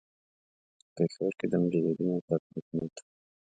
په پېښور کې د مجددي موقت حکومت.